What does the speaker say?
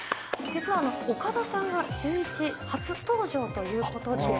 実は岡田さんがシューイチ初登場ということで。